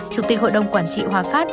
chủ tịch hội đồng quản trị hòa pháp